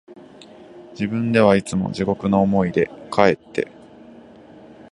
自分ではいつも地獄の思いで、かえって、